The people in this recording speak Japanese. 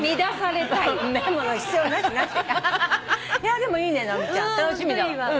でもいいね直美ちゃん楽しみだわ。